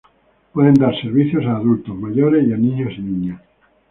Pueden dar servicio a adultos mayores y a niños y niñas.